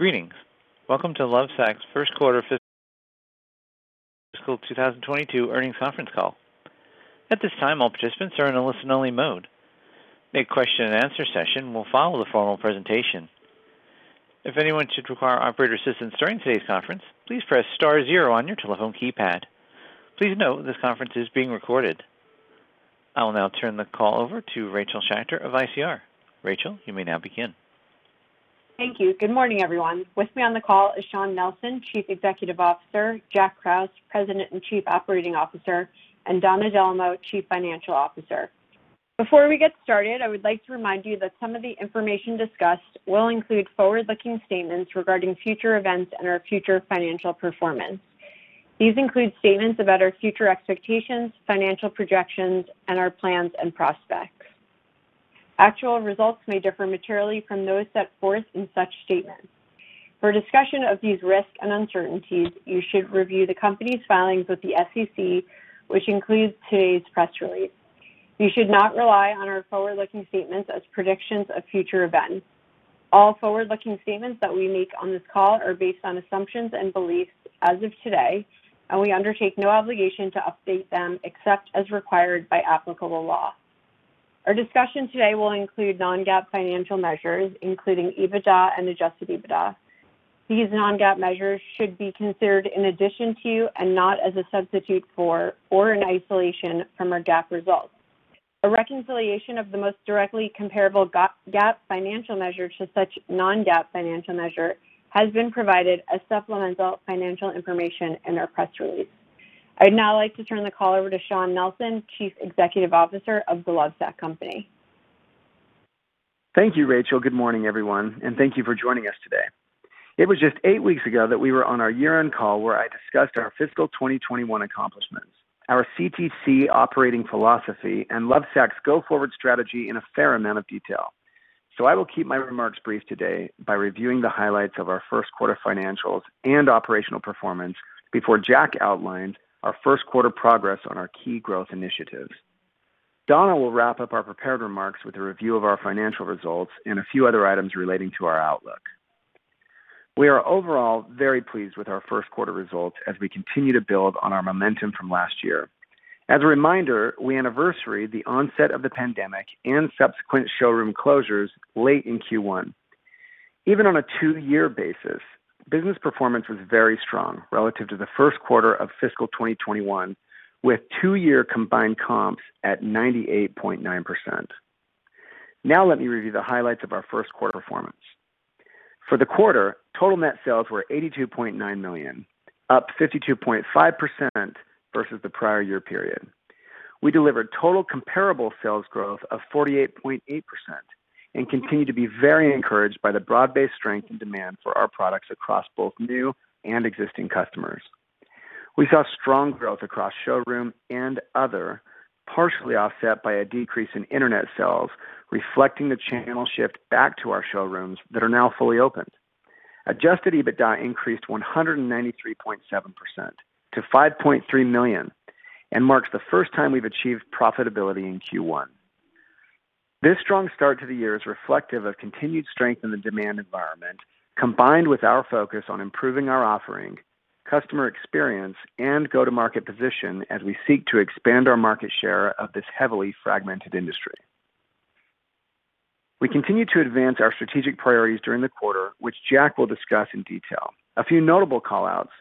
Greetings. Welcome to Lovesac's first quarter fiscal 2022 earnings conference call. A question and answer session will follow the formal presentation. Please note this conference is being recorded. I will now turn the call over to Rachel Schacter of ICR. Rachel, you may now begin. Thank you. Good morning, everyone. With me on the call is Shawn Nelson, Chief Executive Officer, Jack Krause, President and Chief Operating Officer, and Donna Dellomo, Chief Financial Officer. Before we get started, I would like to remind you that some of the information discussed will include forward-looking statements regarding future events and our future financial performance. These include statements about our future expectations, financial projections, and our plans and prospects. Actual results may differ materially from those set forth in such statements. For a discussion of these risks and uncertainties, you should review the company's filings with the SEC, which includes today's press release. You should not rely on our forward-looking statements as predictions of future events. All forward-looking statements that we make on this call are based on assumptions and beliefs as of today. We undertake no obligation to update them except as required by applicable law. Our discussion today will include non-GAAP financial measures, including EBITDA and adjusted EBITDA. These non-GAAP measures should be considered in addition to and not as a substitute for or in isolation from our GAAP results. A reconciliation of the most directly comparable GAAP financial measure to such non-GAAP financial measure has been provided as supplemental financial information in our press release. I'd now like to turn the call over to Shawn Nelson, Chief Executive Officer of The Lovesac Company. Thank you, Rachel. Good morning, everyone, and thank you for joining us today. It was just eight weeks ago that we were on our year-end call where I discussed our fiscal 2021 accomplishments, our CTC operating philosophy, and Lovesac's go-forward strategy in a fair amount of detail. I will keep my remarks brief today by reviewing the highlights of our first quarter financials and operational performance before Jack outlines our first quarter progress on our key growth initiatives. Donna will wrap up our prepared remarks with a review of our financial results and a few other items relating to our outlook. We are overall very pleased with our first quarter results as we continue to build on our momentum from last year. As a reminder, we anniversaried the onset of the pandemic and subsequent showroom closures late in Q1. Even on a two-year basis, business performance was very strong relative to the first quarter of fiscal 2021, with two-year combined comps at 98.9%. Let me review the highlights of our first quarter performance. For the quarter, total net sales were $82.9 million, up 52.5% versus the prior year period. We delivered total comparable sales growth of 48.8% and continue to be very encouraged by the broad-based strength and demand for our products across both new and existing customers. We saw strong growth across showroom and other, partially offset by a decrease in internet sales, reflecting the channel shift back to our showrooms that are now fully open. Adjusted EBITDA increased 193.7% to $5.3 million and marks the first time we've achieved profitability in Q1. This strong start to the year is reflective of continued strength in the demand environment, combined with our focus on improving our offering, customer experience, and go-to-market position as we seek to expand our market share of this heavily fragmented industry. We continue to advance our strategic priorities during the quarter, which Jack will discuss in detail. A few notable call-outs.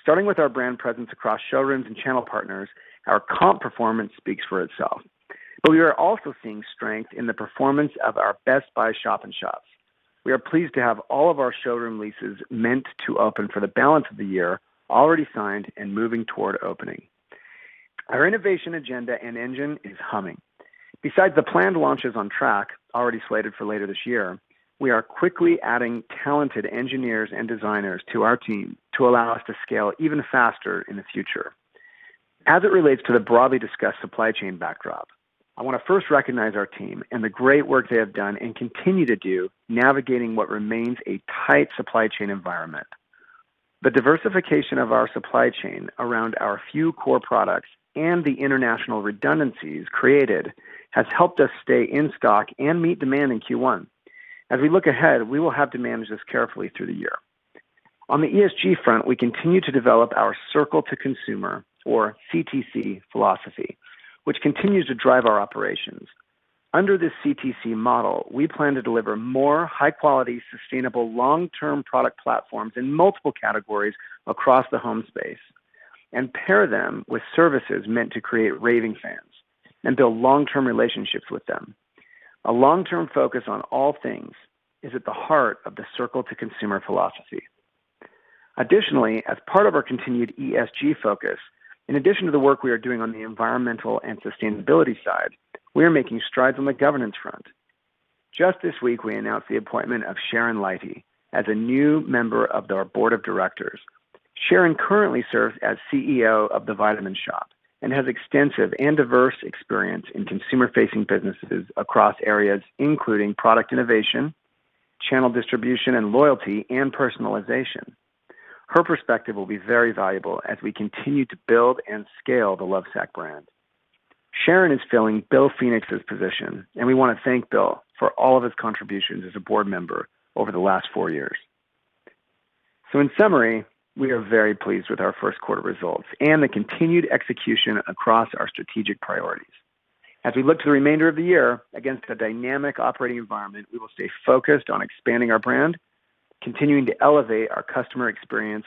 Starting with our brand presence across showrooms and channel partners, our comp performance speaks for itself, but we are also seeing strength in the performance of our Best Buy shop-in-shops. We are pleased to have all of our showroom leases meant to open for the balance of the year already signed and moving toward opening. Our innovation agenda and engine is humming. Besides the planned launches on track already slated for later this year, we are quickly adding talented engineers and designers to our team to allow us to scale even faster in the future. As it relates to the broadly discussed supply chain backdrop, I want to first recognize our team and the great work they have done and continue to do navigating what remains a tight supply chain environment. The diversification of our supply chain around our few core products and the international redundancies created has helped us stay in stock and meet demand in Q1. As we look ahead, we will have to manage this carefully through the year. On the ESG front, we continue to develop our direct to consumer, or CTC philosophy, which continues to drive our operations. Under this CTC model, we plan to deliver more high-quality, sustainable long-term product platforms in multiple categories across the home space and pair them with services meant to create raving fans and build long-term relationships with them. A long-term focus on all things is at the heart of the direct to consumer philosophy. Additionally, as part of our continued ESG focus, in addition to the work we are doing on the environmental and sustainability side, we are making strides on the governance front. Just this week, we announced the appointment of Sharon Leite as a new member of our board of directors. Sharon currently serves as CEO of The Vitamin Shoppe and has extensive and diverse experience in consumer-facing businesses across areas including product innovation, channel distribution, and loyalty and personalization. Her perspective will be very valuable as we continue to build and scale the Lovesac brand. Sharon is filling William Phoenix's position, and we want to thank Bill for all of his contributions as a board member over the last four years. In summary, we are very pleased with our first quarter results and the continued execution across our strategic priorities. As we look to the remainder of the year against a dynamic operating environment, we will stay focused on expanding our brand, continuing to elevate our customer experience,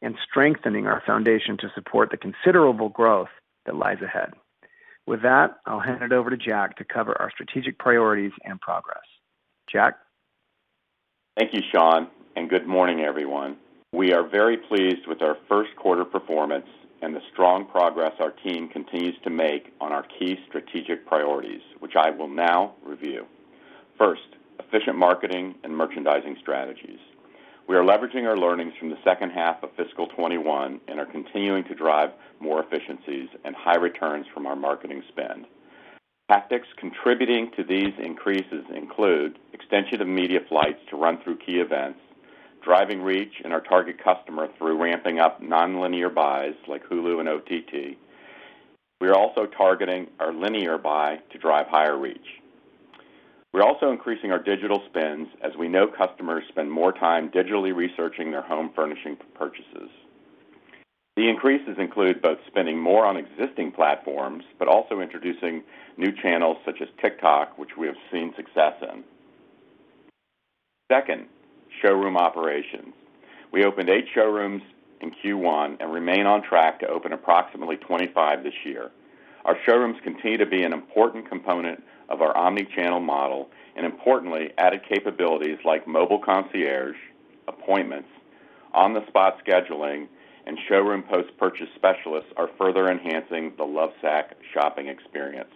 and strengthening our foundation to support the considerable growth that lies ahead. With that, I'll hand it over to Jack to cover our strategic priorities and progress. Jack? Thank you, Shawn. Good morning, everyone. We are very pleased with our first quarter performance and the strong progress our team continues to make on our key strategic priorities, which I will now review. 1st, efficient marketing and merchandising strategies. We are leveraging our learnings from the second half of fiscal 2021 and are continuing to drive more efficiencies and high returns from our marketing spend. Tactics contributing to these increases include extension of media flights to run through key events, driving reach and our target customer through ramping up nonlinear buys like Hulu and OTT. We are also targeting our linear buy to drive higher reach. We're also increasing our digital spends as we know customers spend more time digitally researching their home furnishing purchases. The increases include both spending more on existing platforms, but also introducing new channels such as TikTok, which we have seen success in. 2nd, showroom operations. We opened eight showrooms in Q1 and remain on track to open approximately 25 this year. Our showrooms continue to be an important component of our omni-channel model, and importantly, added capabilities like mobile concierge, appointments, on-the-spot scheduling, and showroom post-purchase specialists are further enhancing the Lovesac shopping experience.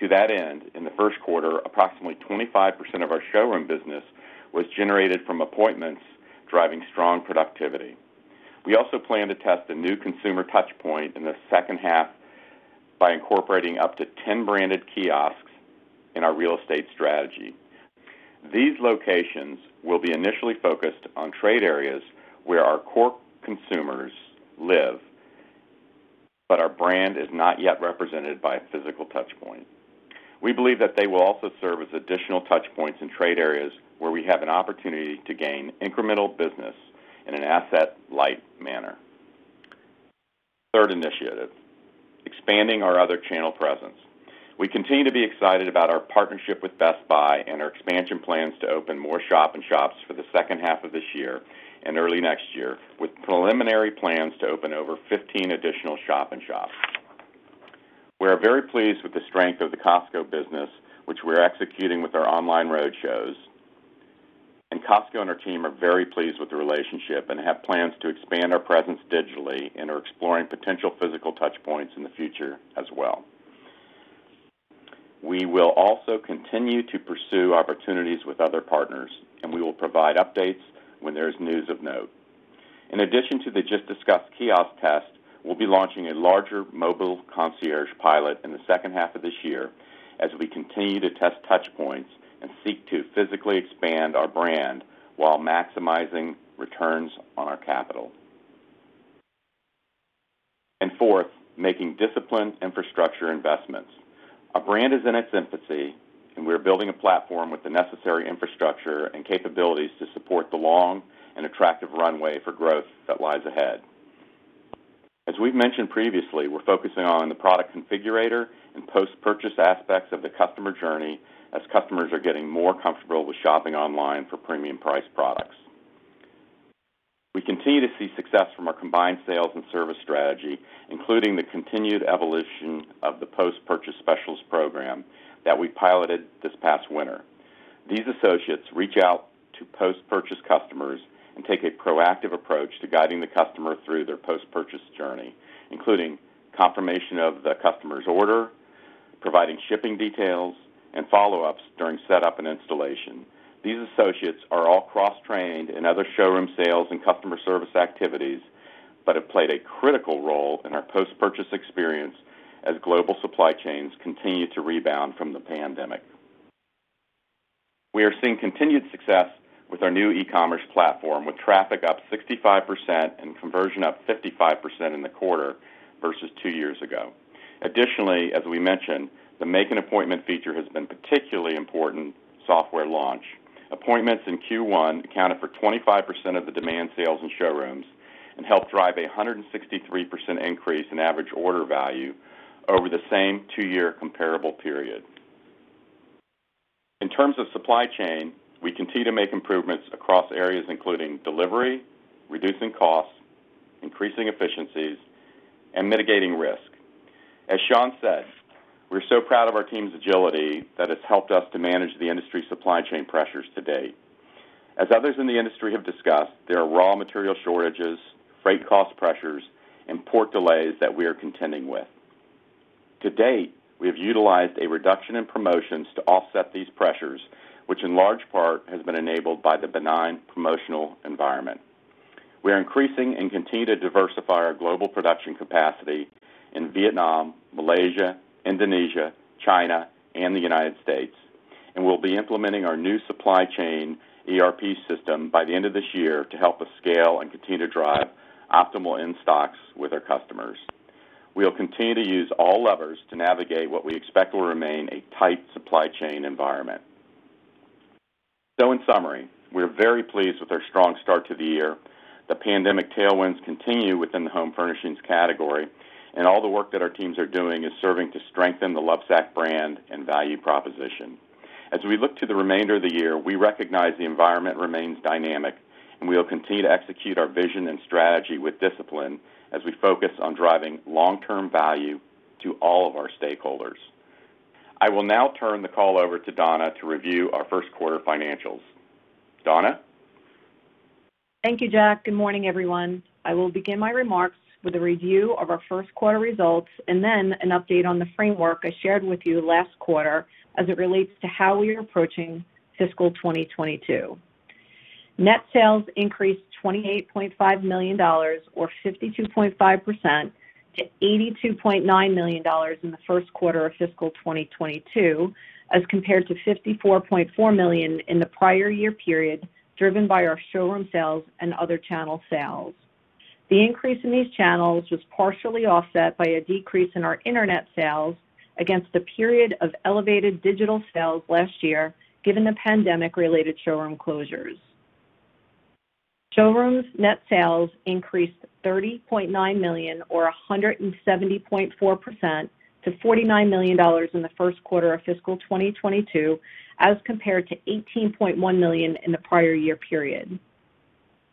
To that end, in the first quarter, approximately 25% of our showroom business was generated from appointments driving strong productivity. We also plan to test a new consumer touchpoint in the second half by incorporating up to 10 branded kiosks in our real estate strategy. These locations will be initially focused on trade areas where our core consumers live, but our brand is not yet represented by a physical touchpoint. We believe that they will also serve as additional touchpoints in trade areas where we have an opportunity to gain incremental business in an asset-light manner. 3rd initiative, expanding our other channel presence. We continue to be excited about our partnership with Best Buy and our expansion plans to open more shop-in-shops for the second half of this year and early next year, with preliminary plans to open over 15 additional shop-in-shops. We are very pleased with the strength of the Costco business, which we're executing with our online roadshows. Costco and our team are very pleased with the relationship and have plans to expand our presence digitally and are exploring potential physical touchpoints in the future as well. We will also continue to pursue opportunities with other partners, and we will provide updates when there's news of note. In addition to the just discussed kiosk test, we'll be launching a larger mobile concierge pilot in the second half of this year as we continue to test touchpoints and seek to physically expand our brand while maximizing returns on our capital. 4th, making disciplined infrastructure investments. Our brand is in its infancy, and we are building a platform with the necessary infrastructure and capabilities to support the long and attractive runway for growth that lies ahead. As we've mentioned previously, we're focusing on the product configurator and post-purchase aspects of the customer journey as customers are getting more comfortable with shopping online for premium priced products. We continue to see success from our combined sales and service strategy, including the continued evolution of the post-purchase specialist program that we piloted this past winter. These associates reach out to post-purchase customers and take a proactive approach to guiding the customer through their post-purchase journey, including confirmation of the customer's order, providing shipping details, and follow-ups during setup and installation. These associates are all cross-trained in other showroom sales and customer service activities, but have played a critical role in our post-purchase experience as global supply chains continue to rebound from the pandemic. We are seeing continued success with our new e-commerce platform, with traffic up 65% and conversion up 55% in the quarter versus two years ago. Additionally, as we mentioned, the make an appointment feature has been a particularly important software launch. Appointments in Q1 accounted for 25% of the demand sales in showrooms and helped drive a 163% increase in average order value over the same two-year comparable period. In terms of supply chain, we continue to make improvements across areas including delivery, reducing costs, increasing efficiencies, and mitigating risk. As Shawn said, we're so proud of our team's agility that has helped us to manage the industry supply chain pressures to date. As others in the industry have discussed, there are raw material shortages, freight cost pressures, and port delays that we are contending with. To date, we have utilized a reduction in promotions to offset these pressures, which in large part has been enabled by the benign promotional environment. We are increasing and continue to diversify our global production capacity in Vietnam, Malaysia, Indonesia, China, and the United States. We'll be implementing our new supply chain ERP system by the end of this year to help us scale and continue to drive optimal in-stocks with our customers. We'll continue to use all levers to navigate what we expect will remain a tight supply chain environment. In summary, we are very pleased with our strong start to the year. The pandemic tailwinds continue within the home furnishings category, and all the work that our teams are doing is serving to strengthen the Lovesac brand and value proposition. As we look to the remainder of the year, we recognize the environment remains dynamic, and we'll continue to execute our vision and strategy with discipline as we focus on driving long-term value to all of our stakeholders. I will now turn the call over to Donna to review our first quarter financials. Donna? Thank you, Jack. Good morning, everyone. I will begin my remarks with a review of our first quarter results and then an update on the framework I shared with you last quarter as it relates to how we are approaching fiscal 2022. Net sales increased $28.5 million, or 52.5%, to $82.9 million in the first quarter of fiscal 2022 as compared to $54.4 million in the prior year period, driven by our showroom sales and other channel sales. The increase in these channels was partially offset by a decrease in our internet sales against a period of elevated digital sales last year given the pandemic-related showroom closures. Showrooms net sales increased $30.9 million or 170.4% to $49 million in the first quarter of fiscal 2022 as compared to $18.1 million in the prior year period.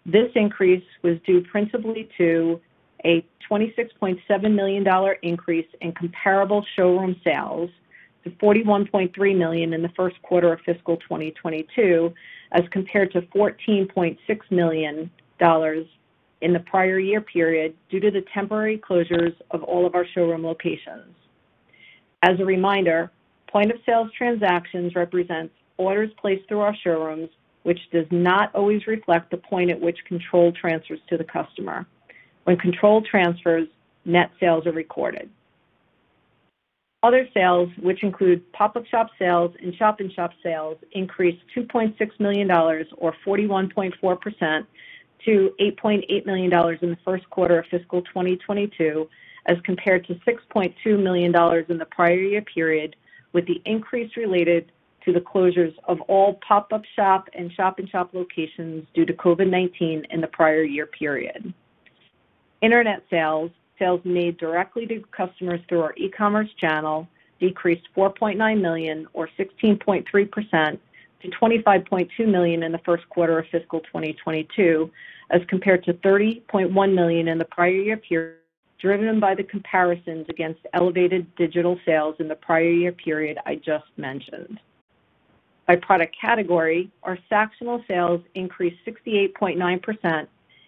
This increase was due principally to a $26.7 million increase in comparable showroom sales to $41.3 million in the first quarter of fiscal 2022 as compared to $14.6 million in the prior year period due to the temporary closures of all of our showroom locations. As a reminder, point of sales transactions represents orders placed through our showrooms, which does not always reflect the point at which control transfers to the customer. When control transfers, net sales are recorded. Other sales, which include pop-up shop sales and shop-in-shop sales, increased $2.6 million or 41.4% to $8.8 million in the first quarter of fiscal 2022 as compared to $6.2 million in the prior year period, with the increase related to the closures of all pop-up shop and shop-in-shop locations due to COVID-19 in the prior year period. Internet sales made directly to customers through our e-commerce channel, decreased $4.9 million or 16.3% to $25.2 million in the first quarter of fiscal 2022 as compared to $30.1 million in the prior year period, driven by the comparisons against elevated digital sales in the prior year period I just mentioned. By product category, our Sactional sales increased 68.9%,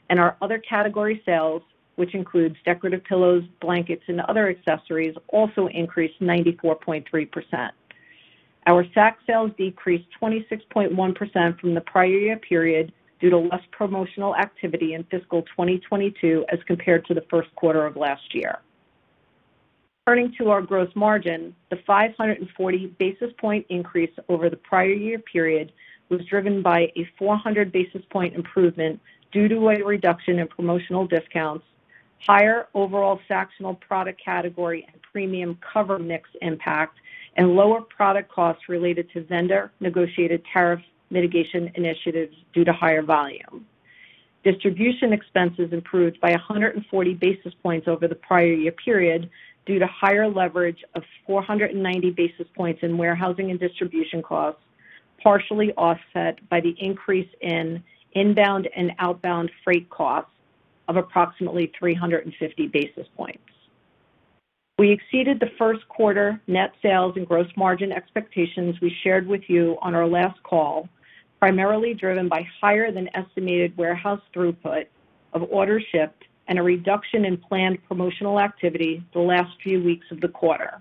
and our other category sales, which includes decorative pillows, blankets, and other accessories, also increased 94.3%. Our Sac sales decreased 26.1% from the prior year period due to less promotional activity in fiscal 2022 as compared to the first quarter of last year. Turning to our gross margin, the 540 basis point increase over the prior year period was driven by a 400 basis point improvement due to a reduction in promotional discounts, higher overall Sactional product category and premium cover mix impact, and lower product costs related to vendor-negotiated tariff mitigation initiatives due to higher volume. Distribution expenses improved by 140 basis points over the prior year period due to higher leverage of 490 basis points in warehousing and distribution costs, partially offset by the increase in inbound and outbound freight costs of approximately 350 basis points. We exceeded the first quarter net sales and gross margin expectations we shared with you on our last call, primarily driven by higher than estimated warehouse throughput of orders shipped and a reduction in planned promotional activity the last few weeks of the quarter.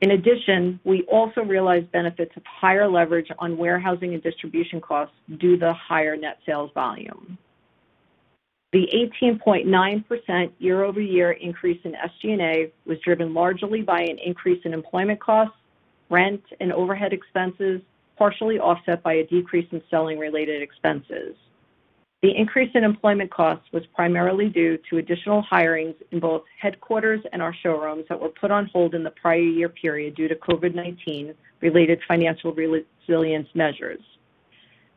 In addition, we also realized benefits of higher leverage on warehousing and distribution costs due to the higher net sales volume. The 18.9% year-over-year increase in SG&A was driven largely by an increase in employment costs, rent, and overhead expenses, partially offset by a decrease in selling-related expenses. The increase in employment costs was primarily due to additional hirings in both headquarters and our showrooms that were put on hold in the prior year period due to COVID-19 related financial resilience measures.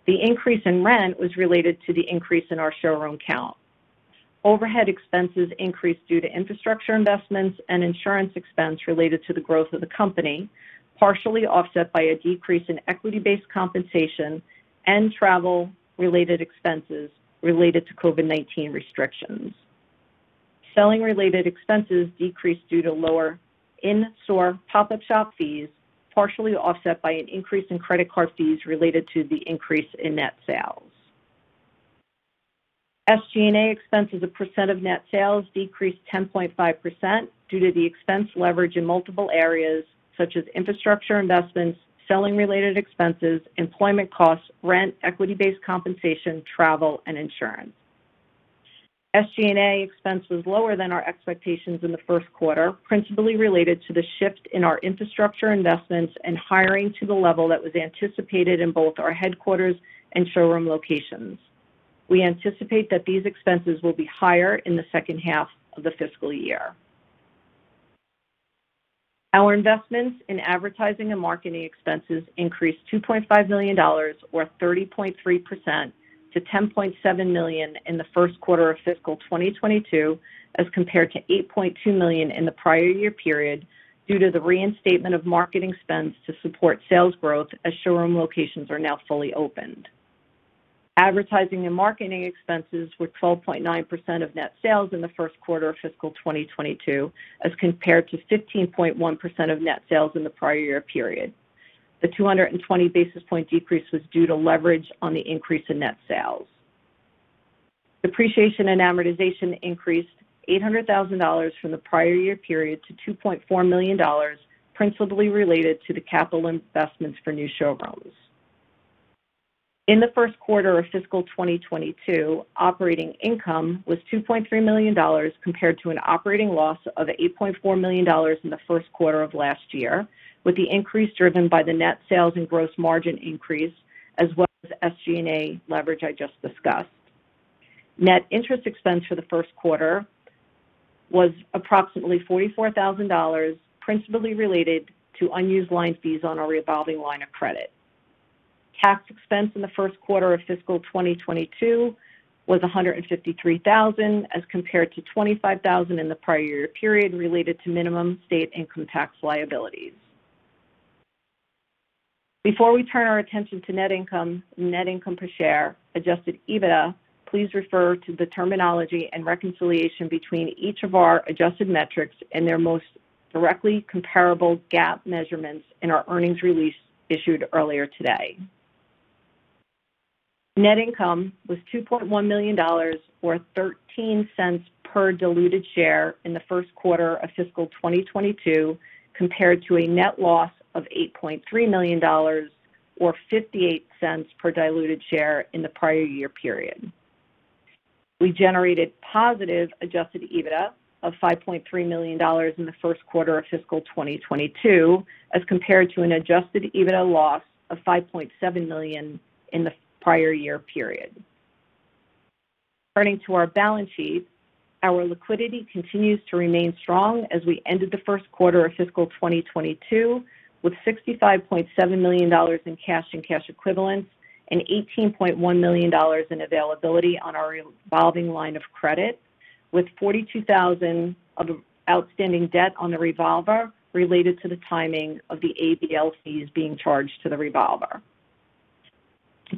The increase in rent was related to the increase in our showroom count. Overhead expenses increased due to infrastructure investments and insurance expense related to the growth of the company, partially offset by a decrease in equity-based compensation and travel-related expenses related to COVID-19 restrictions. Selling-related expenses decreased due to lower in-store pop-up shop fees, partially offset by an increase in credit card fees related to the increase in net sales. SG&A expenses as a percent of net sales decreased 10.5% due to the expense leverage in multiple areas such as infrastructure investments, selling-related expenses, employment costs, rent, equity-based compensation, travel, and insurance. SG&A expense was lower than our expectations in the first quarter, principally related to the shift in our infrastructure investments and hiring to the level that was anticipated in both our headquarters and showroom locations. We anticipate that these expenses will be higher in the second half of the fiscal year. Our investments in advertising and marketing expenses increased $2.5 million, or 30.3%, to $10.7 million in the first quarter of fiscal 2022, as compared to $8.2 million in the prior year period due to the reinstatement of marketing spends to support sales growth, as showroom locations are now fully opened. Advertising and marketing expenses were 12.9% of net sales in the first quarter of fiscal 2022, as compared to 15.1% of net sales in the prior year period. The 220 basis point decrease was due to leverage on the increase in net sales. Depreciation and amortization increased $800,000 from the prior year period to $2.4 million, principally related to the capital investments for new showrooms. In the first quarter of fiscal 2022, operating income was $2.3 million, compared to an operating loss of $8.4 million in the first quarter of last year, with the increase driven by the net sales and gross margin increase, as well as SG&A leverage I just discussed. Net interest expense for the first quarter was approximately $44,000, principally related to unused line fees on our revolving line of credit. Tax expense in the first quarter of fiscal 2022 was $153,000 as compared to $25,000 in the prior year period related to minimum state income tax liabilities. Before we turn our attention to net income, net income per share, adjusted EBITDA, please refer to the terminology and reconciliation between each of our adjusted metrics and their most directly comparable GAAP measurements in our earnings release issued earlier today. Net income was $2.1 million, or $0.13 per diluted share in the first quarter of fiscal 2022, compared to a net loss of $8.3 million, or $0.58 per diluted share in the prior year period. We generated positive adjusted EBITDA of $5.3 million in the first quarter of fiscal 2022, as compared to an adjusted EBITDA loss of $5.7 million in the prior year period. Turning to our balance sheet, our liquidity continues to remain strong as we ended the first quarter of fiscal 2022 with $65.7 million in cash and cash equivalents and $18.1 million in availability on our revolving line of credit, with $42,000 of outstanding debt on the revolver related to the timing of the ABL fees being charged to the revolver.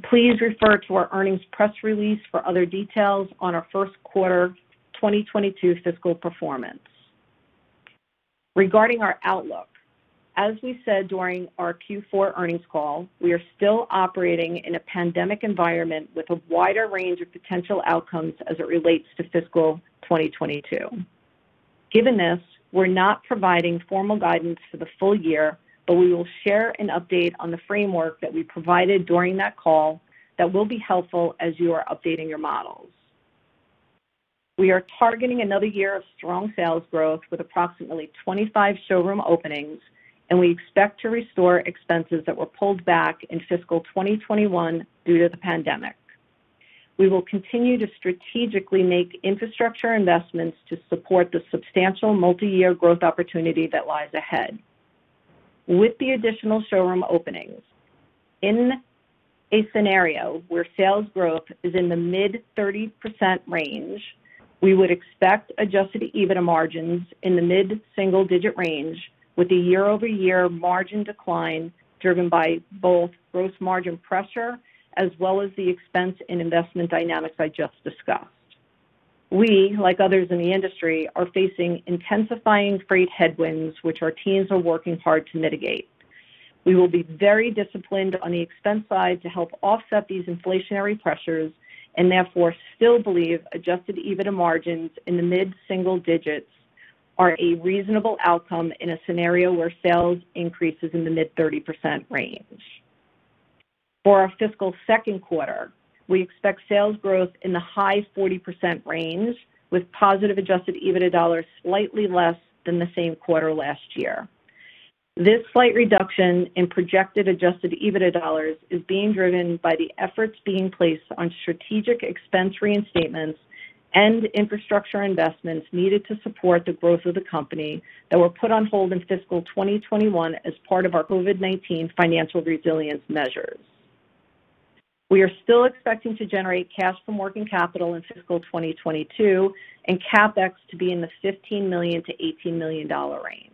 Please refer to our earnings press release for other details on our first quarter 2022 fiscal performance. Regarding our outlook, as we said during our Q4 earnings call, we are still operating in a pandemic environment with a wider range of potential outcomes as it relates to fiscal 2022. Given this, we're not providing formal guidance for the full year, but we will share an update on the framework that we provided during that call that will be helpful as you are updating your models. We are targeting another year of strong sales growth with approximately 25 showroom openings, and we expect to restore expenses that were pulled back in fiscal 2021 due to the pandemic. We will continue to strategically make infrastructure investments to support the substantial multi-year growth opportunity that lies ahead. With the additional showroom openings, in a scenario where sales growth is in the mid-30% range, we would expect adjusted EBITDA margins in the mid-single-digit range with a year-over-year margin decline driven by both gross margin pressure as well as the expense and investment dynamics I just discussed. We, like others in the industry, are facing intensifying freight headwinds, which our teams are working hard to mitigate. We will be very disciplined on the expense side to help offset these inflationary pressures and therefore still believe adjusted EBITDA margins in the mid-single digits are a reasonable outcome in a scenario where sales increases in the mid-30% range. For our fiscal second quarter, we expect sales growth in the high 40% range with positive adjusted EBITDA dollars slightly less than the same quarter last year. This slight reduction in projected adjusted EBITDA dollars is being driven by the efforts being placed on strategic expense reinstatements and infrastructure investments needed to support the growth of the company that were put on hold in fiscal 2021 as part of our COVID-19 financial resilience measures. We are still expecting to generate cash from working capital in fiscal 2022 and CapEx to be in the $15 million-$18 million range.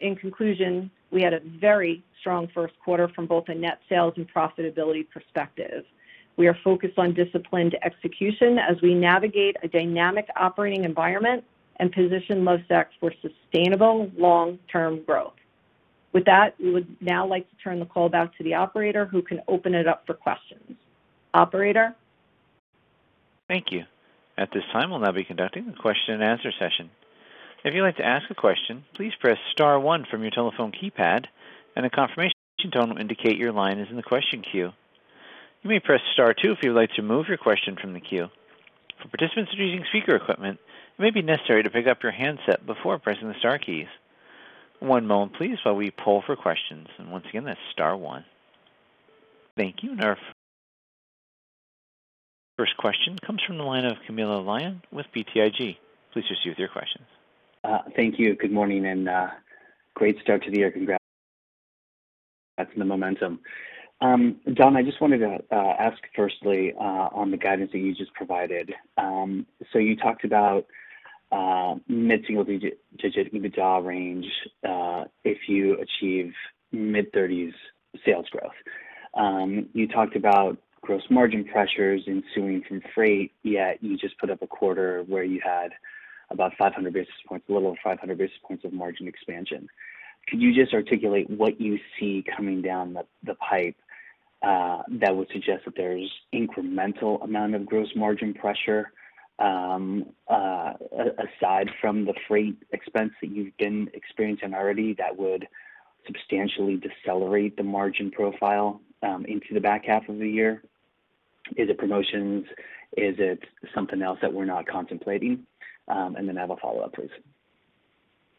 In conclusion, we had a very strong first quarter from both a net sales and profitability perspective. We are focused on disciplined execution as we navigate a dynamic operating environment and position Lovesac for sustainable long-term growth. With that, we would now like to turn the call back to the operator who can open it up for questions. Operator? Thank you. Thank you. Our first question comes from the line of Camilo Lyon with BTIG. Please proceed with your question. Thank you. Good morning, great start to the year. Congrats on the momentum. Donna, I just wanted to ask firstly on the guidance that you just provided. You talked about mid-single digit EBITDA range if you achieve mid-30s sales growth. You talked about gross margin pressures ensuing from freight, yet you just put up a quarter where you had about 500 basis points, a little over 500 basis points of margin expansion. Can you just articulate what you see coming down the pipe that would suggest that there's incremental amount of gross margin pressure aside from the freight expense that you've been experiencing already that would substantially decelerate the margin profile into the back half of the year? Is it promotions? Is it something else that we're not contemplating? I have a follow-up, please.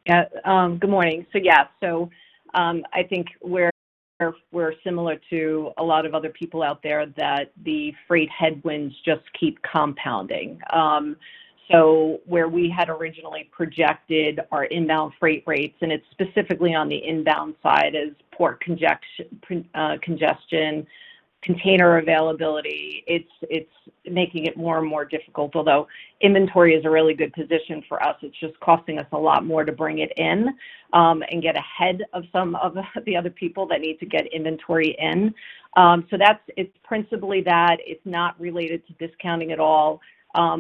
Yeah. Good morning. Yeah, I think we're similar to a lot of other people out there that the freight headwinds just keep compounding. Where we had originally projected our inbound freight rates, and it's specifically on the inbound side as port congestion, container availability, it's making it more and more difficult, although inventory is a really good position for us. It's just costing us a lot more to bring it in and get ahead of some of the other people that need to get inventory in. It's principally that it's not related to discounting at all.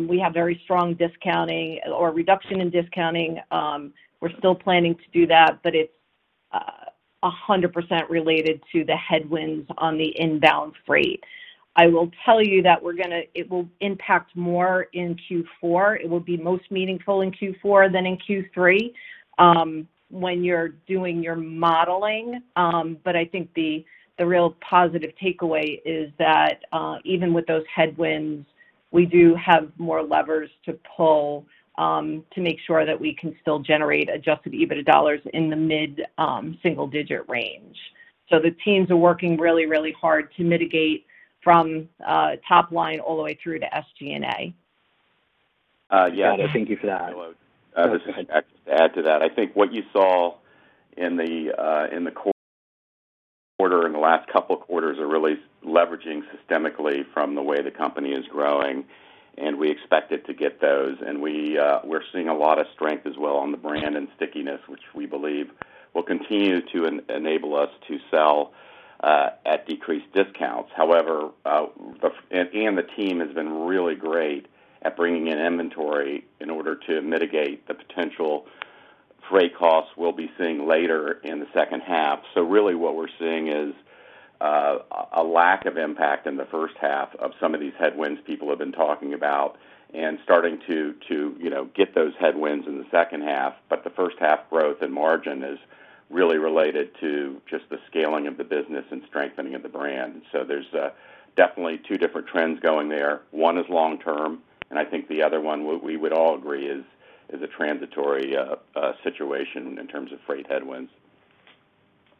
We have very strong discounting or reduction in discounting. We're still planning to do that, it's 100% related to the headwinds on the inbound freight. I will tell you that it will impact more in Q4. It will be most meaningful in Q4 than in Q3 when you're doing your modeling. I think the real positive takeaway is that even with those headwinds, we do have more levers to pull to make sure that we can still generate adjusted EBITDA dollars in the mid-single digit range. The teams are working really hard to mitigate from top line all the way through to SG&A. Yeah. Thank you. I was just going to add to that. I think what you saw in the quarter and the last couple of quarters are really leveraging systemically from the way the company is growing, and we expect it to get those. We're seeing a lot of strength as well on the brand and stickiness, which we believe will continue to enable us to sell at decreased discounts. However, Donna and the team has been really great at bringing in inventory in order to mitigate the potential freight costs we'll be seeing later in the second half. Really what we're seeing is a lack of impact in the first half of some of these headwinds people have been talking about and starting to get those headwinds in the second half. The first half growth and margin is really related to just the scaling of the business and strengthening of the brand. There's definitely two different trends going there. One is long term, and I think the other one, we would all agree, is a transitory situation in terms of freight headwinds.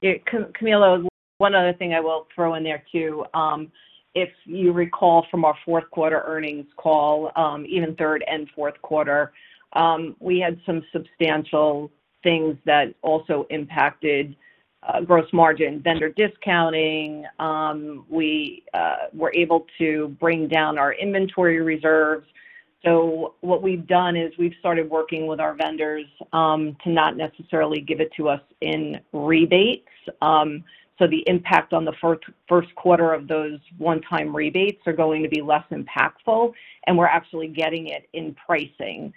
Camilo, one other thing I will throw in there, too. If you recall from our fourth quarter earnings call, even third and fourth quarter, we had some substantial things that also impacted gross margin, vendor discounting. We were able to bring down our inventory reserves. What we've done is we've started working with our vendors to not necessarily give it to us in rebates. The impact on the first quarter of those one-time rebates are going to be less impactful, and we're actually getting it in pricing.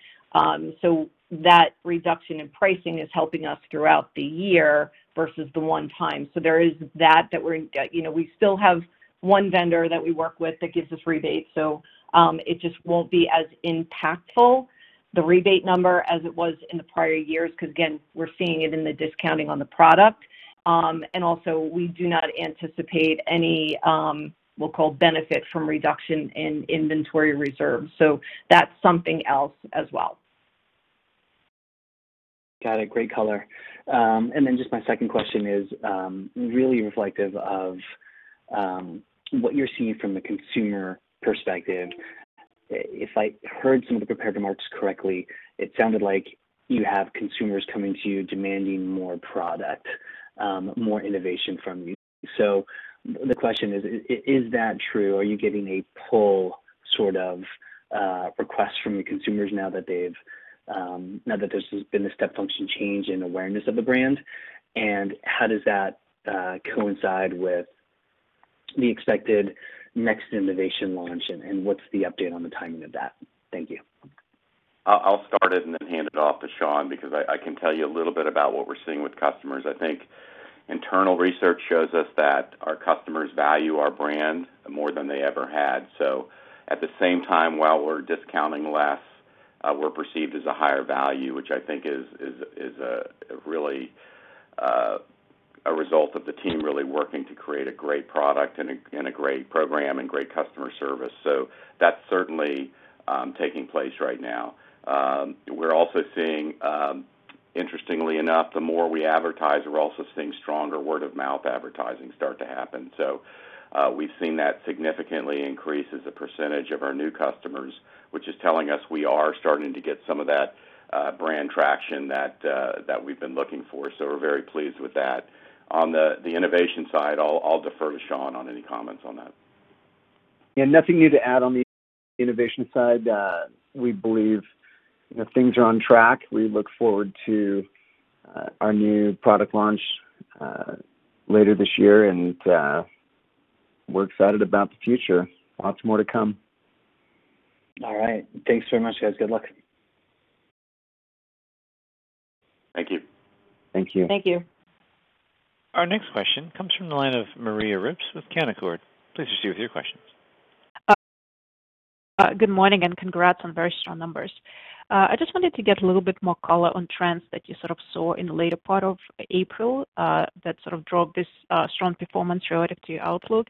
That reduction in pricing is helping us throughout the year versus the one time. There is that we still have one vendor that we work with that gives us rebates, so it just won't be as impactful, the rebate number, as it was in the prior years because, again, we're seeing it in the discounting on the product. Also, we do not anticipate any what we call benefit from reduction in inventory reserve. That's something else as well. Got it. Great color. Just my second question is really reflective of what you're seeing from the consumer perspective. If I heard some of the prepared remarks correctly, it sounded like you have consumers coming to you demanding more product, more innovation from you. The question is that true? Are you getting a pull sort of request from your consumers now that there's been a step function change in awareness of the brand? How does that coincide with the expected next innovation launch, and what's the update on the timing of that? Thank you. I'll start it and then hand it off to Shawn because I can tell you a little bit about what we're seeing with customers. I think internal research shows us that our customers value our brand more than they ever had. At the same time, while we're discounting less, we're perceived as a higher value, which I think is really a result of the team really working to create a great product and a great program and great customer service. That's certainly taking place right now. We're also seeing, interestingly enough, the more we advertise, we're also seeing stronger word-of-mouth advertising start to happen. We've seen that significantly increase as a percentage of our new customers, which is telling us we are starting to get some of that brand traction that we've been looking for. We're very pleased with that. On the innovation side, I'll defer to Shawn Nelson on any comments on that. Yeah, nothing new to add on the innovation side. We believe that things are on track. We look forward to our new product launch later this year, and we're excited about the future. Lots more to come. All right. Thanks so much, guys. Good luck. Thank you. Thank you. Thank you. Our next question comes from the line of Maria Ripps with Canaccord. Please proceed with your questions. Good morning, and congrats on very strong numbers. I just wanted to get a little bit more color on trends that you sort of saw in the later part of April that sort of drove this strong performance relative to your outlook.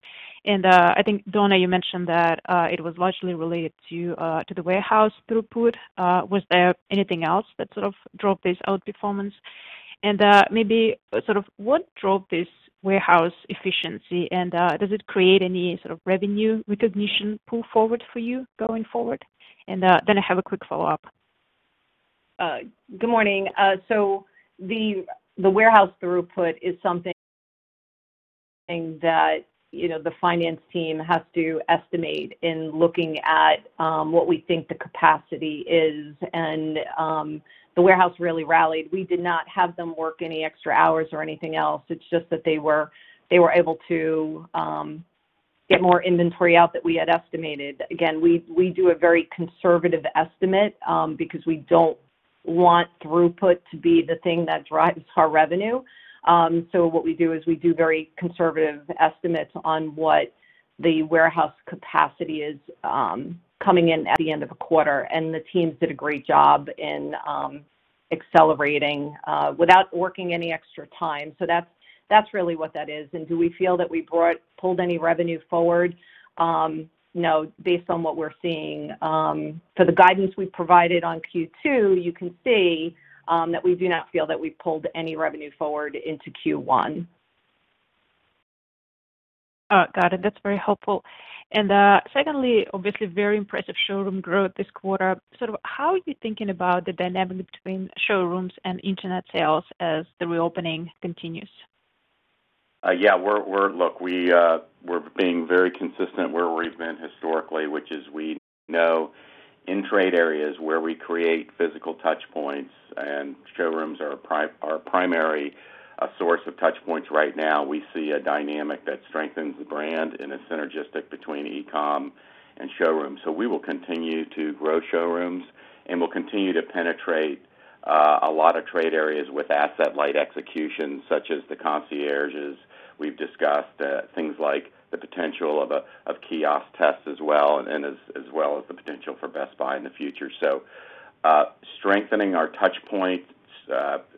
I think, Donna, you mentioned that it was largely related to the warehouse throughput. Was there anything else that sort of drove this outperformance? Maybe sort of what drove this warehouse efficiency, and does it create any sort of revenue recognition pull forward for you going forward? Then I have a quick follow-up. Good morning. The warehouse throughput is something that the finance team has to estimate in looking at what we think the capacity is. The warehouse really rallied. We did not have them work any extra hours or anything else. It's just that they were able to get more inventory out than we had estimated. Again, we do a very conservative estimate because we don't want throughput to be the thing that drives our revenue. What we do is we do very conservative estimates on what the warehouse capacity is coming in at the end of the quarter. The teams did a great job in accelerating without working any extra time. That's really what that is. Do we feel that we pulled any revenue forward? No. Based on what we're seeing. The guidance we provided on Q2, you can see that we do not feel that we pulled any revenue forward into Q1. Got it. That's very helpful. Secondly, obviously very impressive showroom growth this quarter. How are you thinking about the dynamic between showrooms and internet sales as the reopening continues? Look, we're being very consistent where we've been historically, which is we know in trade areas where we create physical touchpoints, and showrooms are our primary source of touchpoints right now. We see a dynamic that strengthens the brand and is synergistic between e-com and showrooms. We will continue to grow showrooms, and we'll continue to penetrate a lot of trade areas with asset-light execution, such as the concierges. We've discussed things like the potential of a kiosk test as well, as well as the potential for Best Buy in the future. Strengthening our touchpoint,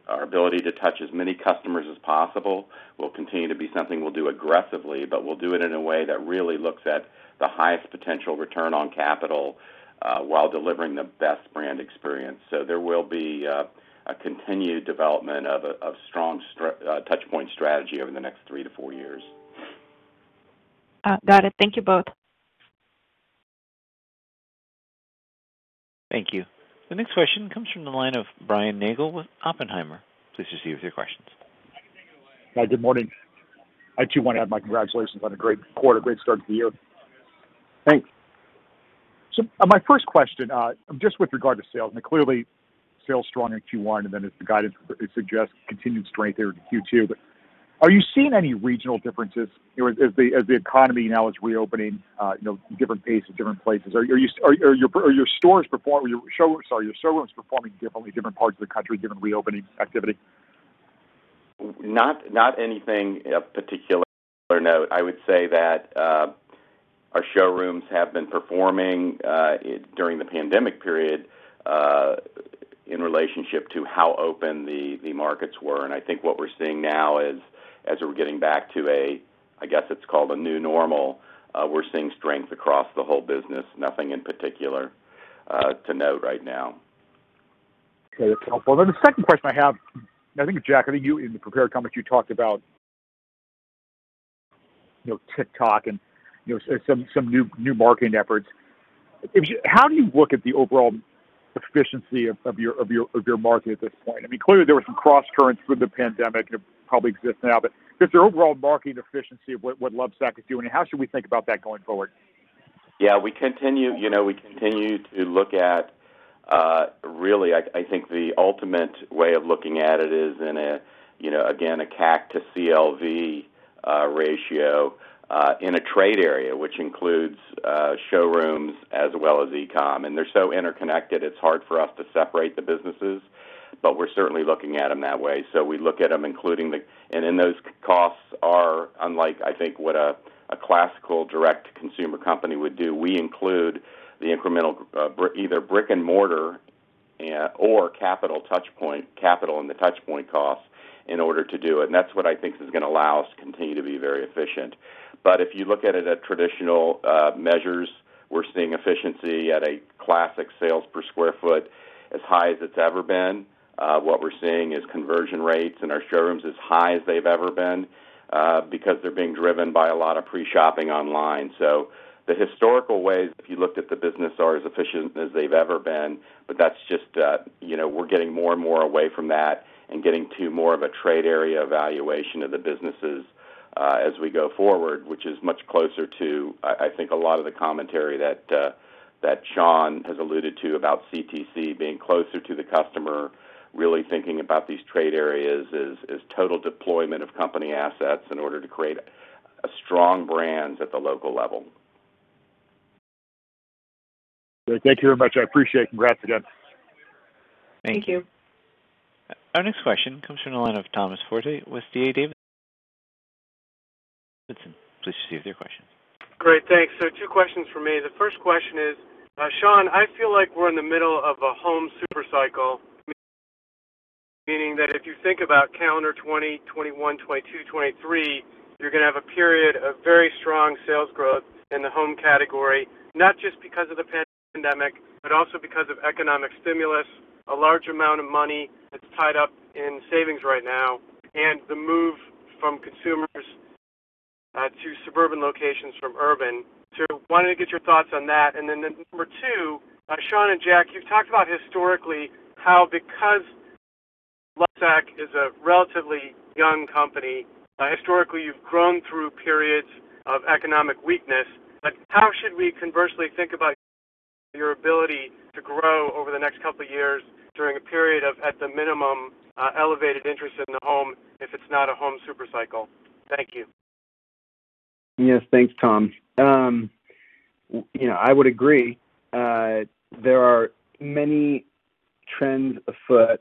our ability to touch as many customers as possible, will continue to be something we'll do aggressively, but we'll do it in a way that really looks at the highest potential return on capital while delivering the best brand experience. There will be a continued development of a strong touchpoint strategy over the next three to four years. Got it. Thank you both. Thank you. The next question comes from the line of Brian Nagel with Oppenheimer. Please proceed with your questions. Hi, good morning. Q1, my congratulations on a great quarter. Great start to the year. Thanks. My 1st question, just with regard to sales, clearly sales strong in Q1, then as the guidance suggests, continued strength there into Q2. Are you seeing any regional differences as the economy now is reopening at different pace at different places? Are your showrooms performing differently in different parts of the country given reopening activity? Not anything of particular note. I would say that our showrooms have been performing during the pandemic period in relationship to how open the markets were. I think what we're seeing now is, as we're getting back to a, I guess it's called a new normal, we're seeing strength across the whole business. Nothing in particular to note right now. Okay, that's helpful. The 2nd question I have, I think, Jack, you in the prepared comments, you talked about TikTok and some new marketing efforts. How do you look at the overall efficiency of your marketing at this point? Clearly, there were some cross currents with the pandemic. It probably exists now, but just your overall marketing efficiency of what Lovesac is doing, how should we think about that going forward? Yeah, we continue to look at really, I think the ultimate way of looking at it is in a, again, a CAC to CLV ratio in a trade area, which includes showrooms as well as e-com. They're so interconnected, it's hard for us to separate the businesses, but we're certainly looking at them that way. We look at them. Those costs are unlike, I think, what a classical direct to consumer company would do. We include the incremental either brick and mortar or capital in the touchpoint costs in order to do it. That's what I think is going to allow us to continue to be very efficient. If you look at it at traditional measures, we're seeing efficiency at a classic sales per square foot as high as it's ever been. What we're seeing is conversion rates in our showrooms as high as they've ever been because they're being driven by a lot of pre-shopping online. The historical ways, if you looked at the business, are as efficient as they've ever been. That's just we're getting more and more away from that and getting to more of a trade area evaluation of the businesses as we go forward, which is much closer to, I think, a lot of the commentary that Shawn has alluded to about CTC being closer to the customer, really thinking about these trade areas as total deployment of company assets in order to create strong brands at the local level. Thank you very much. I appreciate it. Congrats again. Thank you. Our next question comes from the line of Thomas Forte with D.A. Davidson. Please proceed with your question. Great. Thanks. Two questions for me. The 1st question is, Shawn, I feel like we're in the middle of a home super cycle, meaning that if you think about calendar 2021, 2022, 2023, you're going to have a period of very strong sales growth in the home category, not just because of the pandemic, but also because of economic stimulus, a large amount of money that's tied up in savings right now, and the move from consumers to suburban locations from urban. I wanted to get your thoughts on that. Number 2, Shawn and Jack, you talked about historically how because Lovesac is a relatively young company, historically, you've grown through periods of economic weakness. How should we conversely think about your ability to grow over the next couple of years during a period of, at the minimum, elevated interest in the home, if it's not a home super cycle? Thank you. Yes. Thanks, Tom. I would agree. There are many trends afoot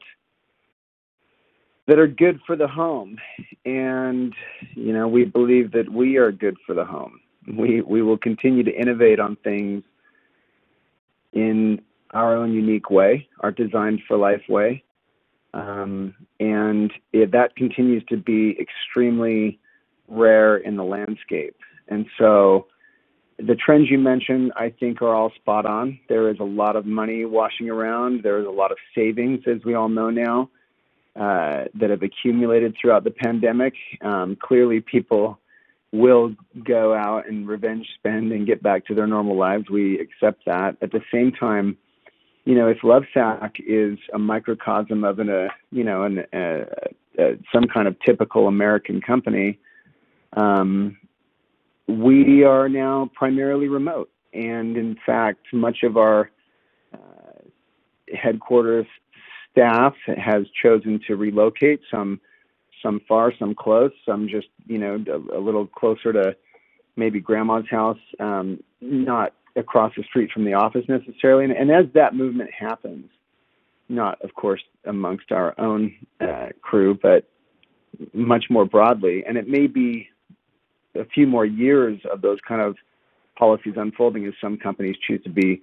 that are good for the home, and we believe that we are good for the home. We will continue to innovate on things in our own unique way, our Designed for Life way. That continues to be extremely rare in the landscape. The trends you mentioned, I think, are all spot on. There is a lot of money washing around. There is a lot of savings, as we all know now, that have accumulated throughout the pandemic. Clearly, people will go out and revenge spend and get back to their normal lives. We accept that. At the same time, if Lovesac is a microcosm of some kind of typical American company, we are now primarily remote. In fact, much of our headquarters staff has chosen to relocate, some far, some close, some just a little closer to maybe grandma's house, not across the street from the office necessarily. As that movement happens, not of course amongst our own crew, but much more broadly, it may be a few more years of those kind of policies unfolding as some companies choose to be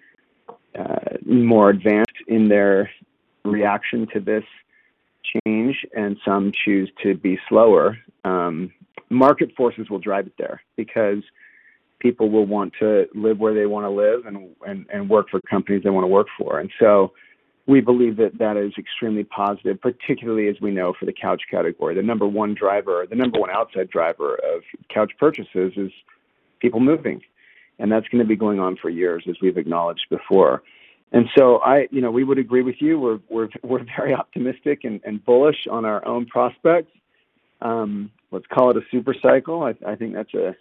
more advanced in their reaction to this change, and some choose to be slower. Market forces will drive it there because people will want to live where they want to live and work for companies they want to work for. We believe that that is extremely positive, particularly as we know for the couch category. The number one outside driver of couch purchases is people moving, that's going to be going on for years, as we've acknowledged before. We would agree with you. We're very optimistic and bullish on our own prospects. Let's call it a super cycle. I think that's a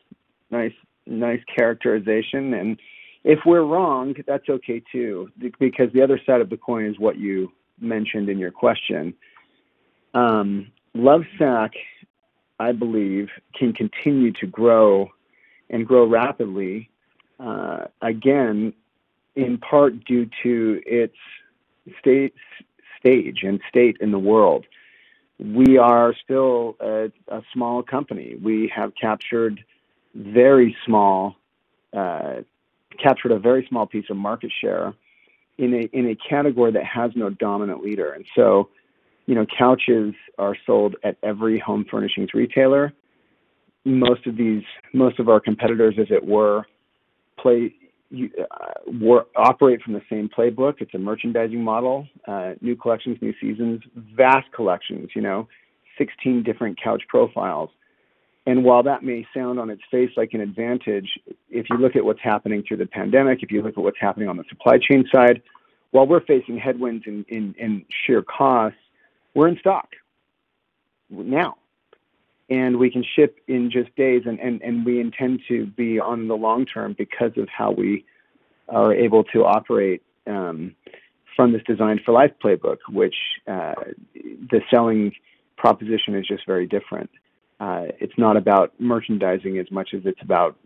nice characterization. If we're wrong, that's okay too, because the other side of the coin is what you mentioned in your question. Lovesac, I believe, can continue to grow and grow rapidly, again, in part due to its stage and state in the world. We are still a small company. We have captured a very small piece of market share in a category that has no dominant leader. Couches are sold at every home furnishings retailer. Most of our competitors, as it were, operate from the same playbook. It's a merchandising model. New collections, new seasons. Vast collections, 16 different couch profiles. While that may sound on its face like an advantage, if you look at what's happening through the pandemic, if you look at what's happening on the supply chain side, while we're facing headwinds in sheer costs, we're in stock now, and we can ship in just days, and we intend to be on the long term because of how we are able to operate from this Designed for Life playbook, which the selling proposition is just very different. It's not about merchandising as much as it's about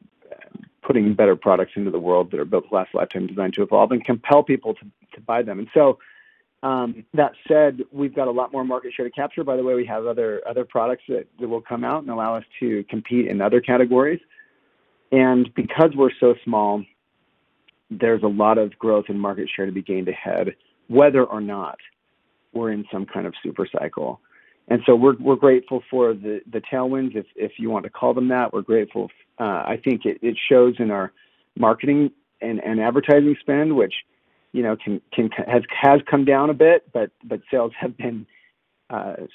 putting better products into the world that are built to last, lifetime designed to evolve, and compel people to buy them. That said, we've got a lot more market share to capture. By the way, we have other products that will come out and allow us to compete in other categories. Because we're so small, there's a lot of growth and market share to be gained ahead, whether or not we're in some kind of super cycle. We're grateful for the tailwinds, if you want to call them that. We're grateful. I think it shows in our marketing and advertising spend, which has come down a bit, but sales have been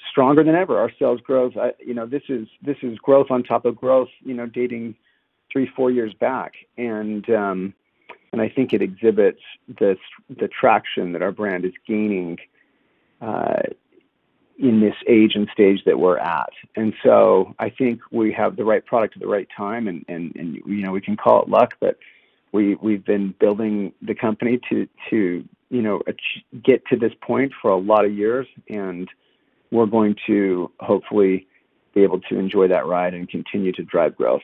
stronger than ever. Our sales growth. This is growth on top of growth dating three, four years back. I think it exhibits the traction that our brand is gaining in this age and stage that we're at. I think we have the right product at the right time, and we can call it luck, but we've been building the company to get to this point for a lot of years, and we're going to hopefully be able to enjoy that ride and continue to drive growth.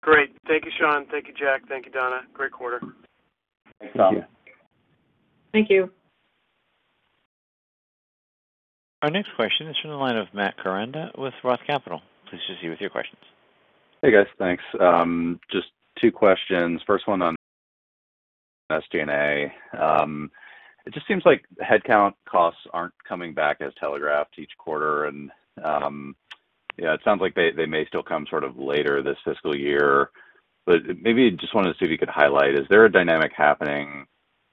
Great. Thank you, Shawn. Thank you, Jack. Thank you, Donna. Great quarter. Thanks, Donna. Thank you. Our next question is from the line of Matt Koranda with ROTH Capital. Please proceed with your questions. Hey, guys. Thanks. Just two questions. 1st one on SG&A. It just seems like headcount costs aren't coming back as telegraphed each quarter, and it sounds like they may still come sort of later this fiscal year. Maybe I just wanted to see if you could highlight, is there a dynamic happening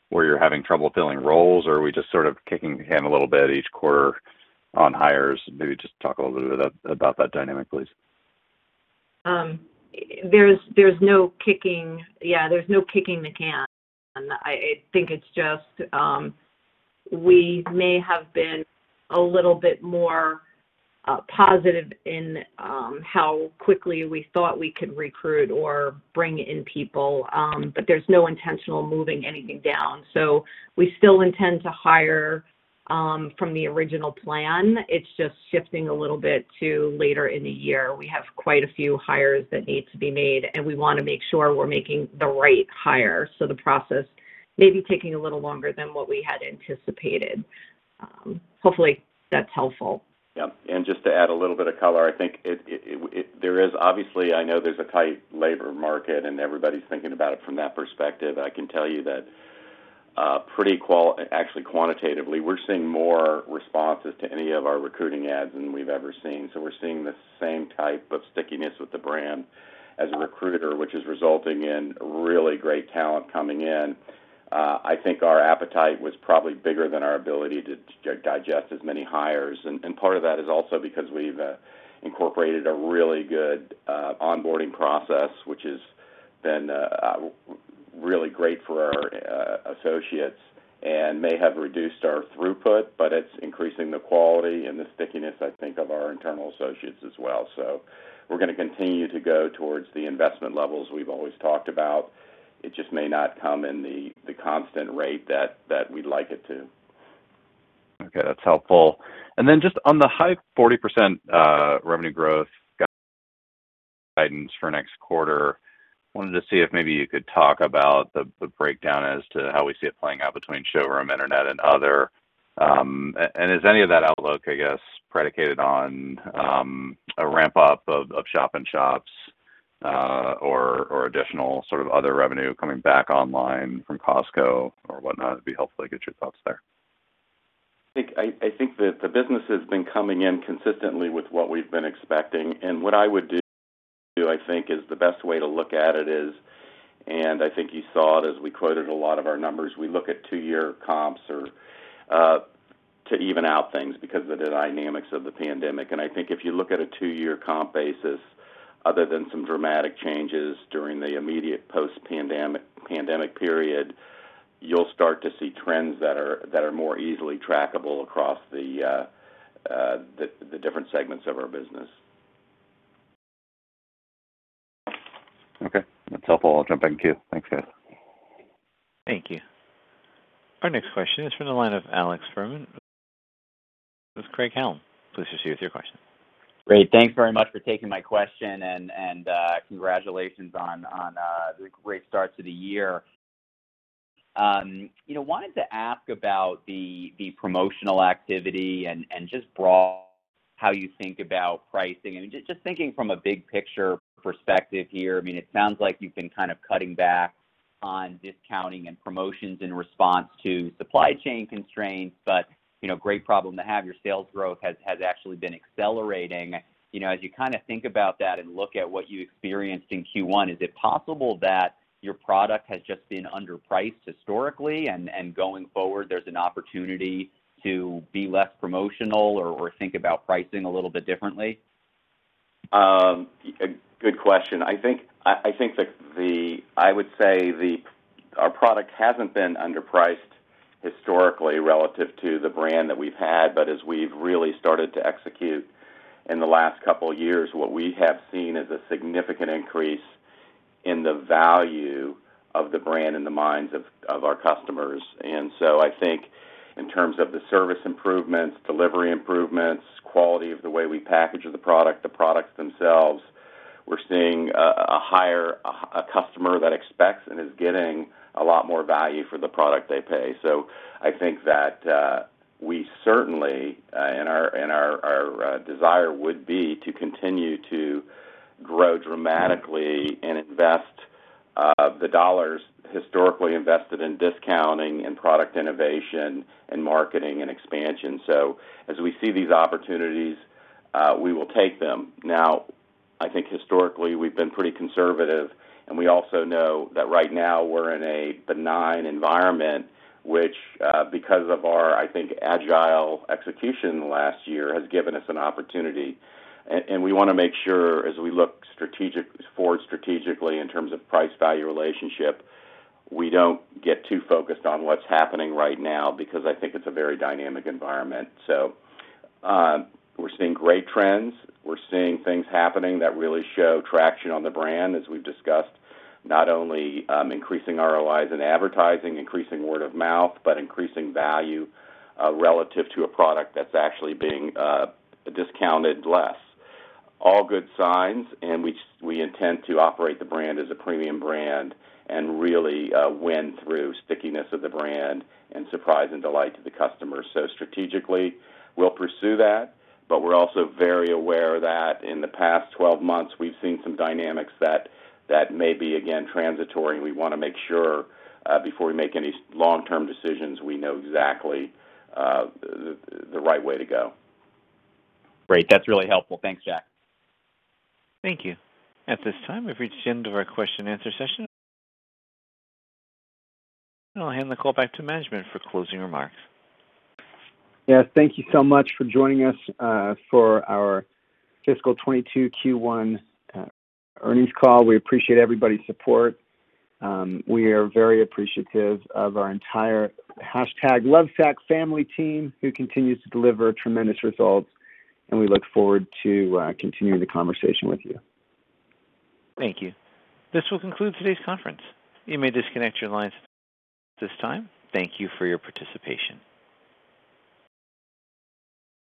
where you're having trouble filling roles, or are we just sort of kicking the can a little bit each quarter on hires? Maybe just talk a little bit about that dynamic, please. There's no kicking the can. I think it's just, we may have been a little bit more positive in how quickly we thought we could recruit or bring in people. There's no intention on moving anything down. We still intend to hire from the original plan. It's just shifting a little bit to later in the year. We have quite a few hires that need to be made, and we want to make sure we're making the right hire. The process may be taking a little longer than what we had anticipated. Hopefully that's helpful. Yeah. Just to add a little bit of color, I think, obviously I know there's a tight labor market, and everybody's thinking about it from that perspective. I can tell you that quantitatively, we're seeing more responses to any of our recruiting ads than we've ever seen. We're seeing the same type of stickiness with the brand as a recruiter, which is resulting in really great talent coming in. I think our appetite was probably bigger than our ability to digest as many hires. Part of that is also because we've incorporated a really good onboarding process, which has been really great for our associates and may have reduced our throughput, it's increasing the quality and the stickiness, I think, of our internal associates as well. We're going to continue to go towards the investment levels we've always talked about. It just may not come in the constant rate that we'd like it to. Okay. That's helpful. Just on the high 40% revenue growth guidance for next quarter, wanted to see if maybe you could talk about the breakdown as to how we see it playing out between showroom, internet, and other. Is any of that outlook, I guess, predicated on a ramp up of shop-in-shops or additional sort of other revenue coming back online from Costco or whatnot? It'd be helpful to get your thoughts there. I think that the business has been coming in consistently with what we've been expecting. What I would do, I think, is the best way to look at it is, and I think you saw it as we quoted a lot of our numbers. We look at two-year comps to even out things because of the dynamics of the pandemic. I think if you look at a two-year comp basis, other than some dramatic changes during the immediate post-pandemic period, you'll start to see trends that are more easily trackable across the different segments of our business. Okay. That's helpful. I'll jump in queue. Thanks, guys. Thank you. Our next question is from the line of Alex Fuhrman with Craig-Hallum. Please proceed with your question. Great. Thanks very much for taking my question and congratulations on the great start to the year. I wanted to ask about the promotional activity and just broadly how you think about pricing and just thinking from a big picture perspective here. It sounds like you've been kind of cutting back on discounting and promotions in response to supply chain constraints. Great problem to have. Your sales growth has actually been accelerating. As you kind of think about that and look at what you experienced in Q1, is it possible that your product has just been underpriced historically and going forward, there's an opportunity to be less promotional or think about pricing a little bit differently? Good question. I think that I would say the, our product hasn't been underpriced historically relative to the brand that we've had. As we've really started to execute in the last couple of years, what we have seen is a significant increase in the value of the brand in the minds of our customers. I think in terms of the service improvements, delivery improvements, quality of the way we package the product, the products themselves, we're seeing a customer that expects and is getting a lot more value for the product they pay. I think that we certainly, and our desire would be to continue to grow dramatically and invest the dollars historically invested in discounting and product innovation and marketing and expansion. As we see these opportunities, we will take them. I think historically, we've been pretty conservative, and we also know that right now we're in a benign environment, which, because of our, I think, agile execution last year, has given us an opportunity. We want to make sure, as we look forward strategically in terms of price-value relationship, we don't get too focused on what's happening right now, because I think it's a very dynamic environment. We're seeing great trends. We're seeing things happening that really show traction on the brand, as we've discussed, not only increasing ROIs in advertising, increasing word of mouth, but increasing value relative to a product that's actually being discounted less. All good signs. We intend to operate the brand as a premium brand and really win through stickiness of the brand and surprise and delight to the customer. Strategically, we'll pursue that, but we're also very aware that in the past 12 months, we've seen some dynamics that may be, again, transitory, and we want to make sure, before we make any long-term decisions, we know exactly the right way to go. Great. That's really helpful. Thanks, Jack. Thank you. At this time, we've reached the end of our question and answer session. I'll hand the call back to management for closing remarks. Yes, thank you so much for joining us for our fiscal 2022 Q1 earnings call. We appreciate everybody's support. We are very appreciative of our entire hashtag Lovesac family team, who continues to deliver tremendous results. We look forward to continuing the conversation with you. Thank you. This will conclude today's conference. You may disconnect your lines at this time. Thank you for your participation.